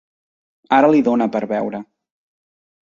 Ara li dona per beure.